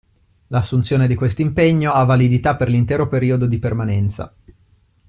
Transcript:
L'assunzione di questo impegno ha validità per l'intero periodo di permanenza.